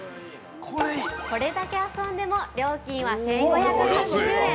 ◆これだけ遊んでも料金は１５８０円。